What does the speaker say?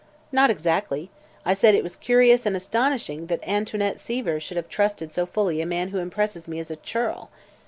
"Not exactly. I said it was curious and astonishing that Antoinette Seaver should have trusted so fully a man who impresses me as a churl.